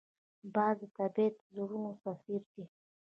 باز د طبیعت زړور سفیر دی